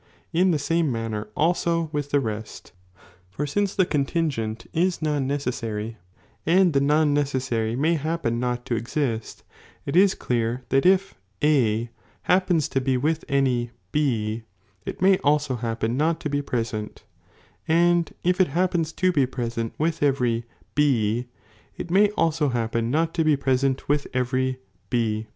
In the saino manner also with •ion'elfme"' the rest,* for since the contingent is non neces sary, and the non necessary may happen not to exbt, it is clear that if A happens to be with any B, it may also happen not to be present, and if it happens to be present with every B, it may also happen not to be present with every B.